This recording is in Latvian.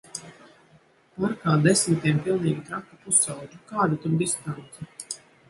Parkā desmitiem pilnīgi traku pusaudžu, kāda tur distance.